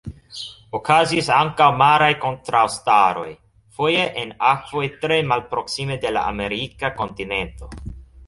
Okazis ankaŭ maraj kontraŭstaroj, foje en akvoj tre malproksime de la amerika kontinento.